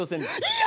いや！